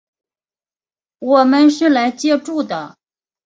我们是来借住的